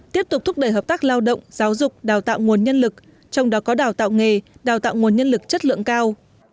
tiếp tục thúc đẩy hợp tác lao động giáo dục đào tạo nguồn nhân lực trong đó có đào tạo nghề đào tạo nguồn nhân lực chất lượng cao